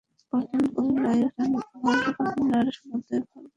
পরদিন কমলাই ঘরকন্নার সমুদয় ভার গ্রহণ করিল।